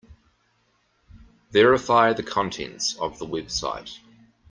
Verify the contents of the website.